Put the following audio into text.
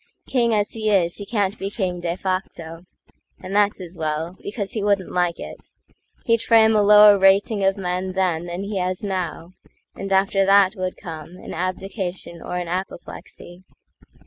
King as he is, he can't be king de facto, And that's as well, because he wouldn't like it; He'd frame a lower rating of men thenThan he has now; and after that would comeAn abdication or an apoplexy.